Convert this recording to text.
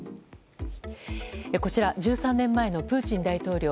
こちら、１３年前のプーチン大統領。